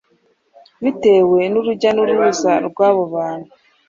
bitewe n’urujya n’uruza rw’abo bantu.